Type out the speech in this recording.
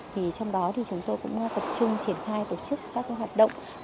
thì trong đó thì chúng tôi cũng tập trung triển khai tổ chức các hoạt động